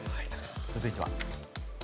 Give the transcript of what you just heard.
続いては。